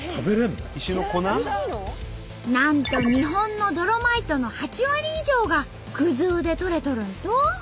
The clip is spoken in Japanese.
なんと日本のドロマイトの８割以上が生で採れとるんと！